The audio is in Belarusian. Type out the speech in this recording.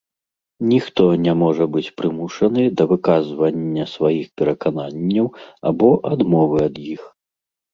Ніхто не можа быць прымушаны да выказвання сваіх перакананняў або адмовы ад іх.